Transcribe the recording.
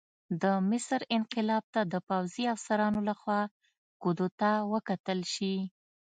د مصر انقلاب ته د پوځي افسرانو لخوا کودتا وکتل شي.